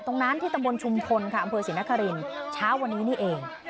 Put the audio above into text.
ตรงนั้นที่ตำบลชุมพลค่ะอำเภอศรีนครินเช้าวันนี้นี่เอง